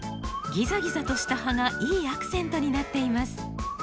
ギザギザとした葉がいいアクセントになっています。